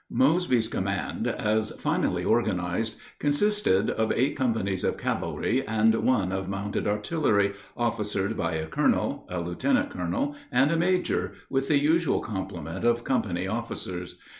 Mosby's command, as finally organized, consisted of eight companies of cavalry and one of mounted artillery, officered by a colonel, a lieutenant colonel, and a major, with the usual complement of company officers.